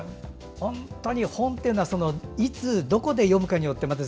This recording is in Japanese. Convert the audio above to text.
本当に本っていうのはいつどこで読むかによってまた